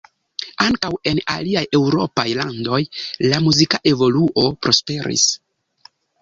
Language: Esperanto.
Ankaŭ en aliaj eŭropaj landoj la muzika evoluo prosperis.